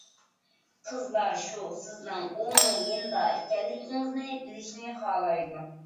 قىزلار شۇ سىزنىڭ ئۇنىڭ يېنىدا ئىكەنلىكىڭىزنى بىلىشنى خالايدۇ.